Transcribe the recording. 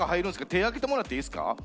手挙げてもらっていいっすか？